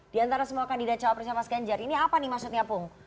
di antara semua kandidat cawapresnya mas ganjar ini apa nih maksudnya pung